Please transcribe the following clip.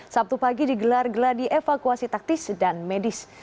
sabtu pagi digelar geladi evakuasi taktis dan medis